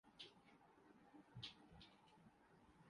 اور مجھے یوں اچھلتا دیکھ کر زیرلب مسکرا رہے تھے